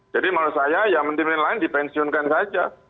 jadi menurut saya ya menteri menteri lain dipensiunkan saja